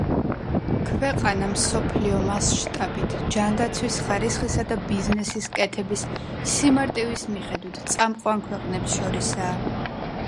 ქვეყანა, მსოფლიო მასშტაბით, ჯანდაცვის ხარისხისა და ბიზნესის კეთების სიმარტივის მიხედვით, წამყვან ქვეყნებს შორისაა.